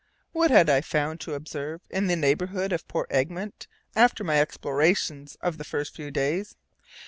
What had I found to observe in the neighbourhood of Port Egmont after my explorations of the first few days?